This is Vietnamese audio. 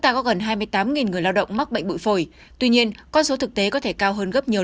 ta có gần hai mươi tám người lao động mắc bệnh bụi phổi tuy nhiên con số thực tế có thể cao hơn gấp nhiều